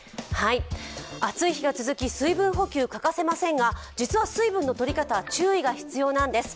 暑い日が続き、水分補給、欠かせませんが実は水分の取り方、注意が必要なんです。